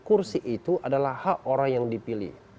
kursi itu adalah hak orang yang dipilih